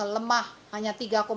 lemah hanya tiga lima